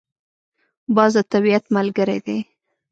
باز د طبیعت ملګری دی